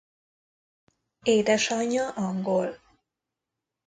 Édesanyja angol.